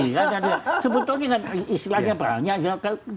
sebetulnya istilahnya perannya